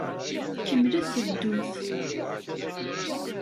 Kemmlet ddut.